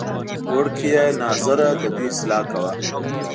وړکیه ناظره ددوی اصلاح کوه.